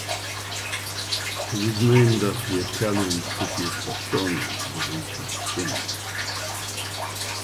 It was named after the Italian city of Tortona in the region Piemont.